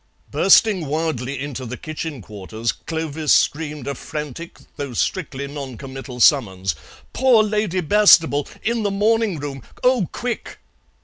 Bursting wildly into the kitchen quarters, Clovis screamed a frantic though strictly non committal summons: "Poor Lady Bastable! In the morning room! Oh, quick!"